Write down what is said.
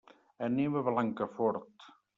Anem a Blancafort.